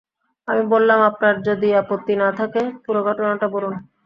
আমি বললাম, আপনার যদি আপত্তি না থাকে পুরো ঘটনাটা বলুন।